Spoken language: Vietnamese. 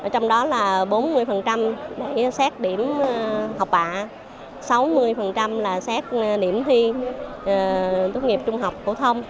trong đó là bốn mươi để xét điểm học bạ sáu mươi là xét điểm thi tốt nghiệp trung học phổ thông